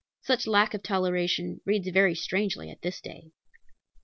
Such lack of toleration reads very strangely at this day.